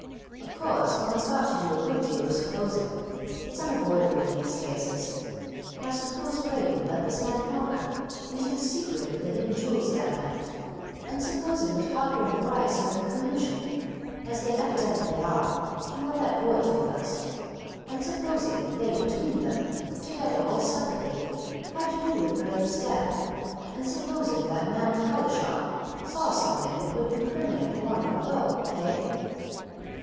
Of course, one's got to do a good deal of supposing it's unavoidable in these cases. Now supposing Braden let this man Harker into the secret of the hidden jewels that night, and supposing that Harker and Bryce are in collusion as they evidently are, from what that boy told us and supposing they between them, together or separately, had to do with Braden's death, and supposing that man Collishaw saw some thing that would incriminate one or both eh?"